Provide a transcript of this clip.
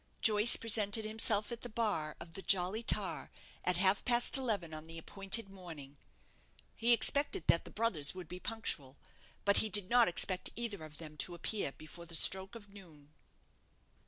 Joyce presented himself at the bar of the 'Jolly Tar' at half past eleven on the appointed morning. He expected that the brothers would be punctual; but he did not expect either of them to appear before the stroke of noon.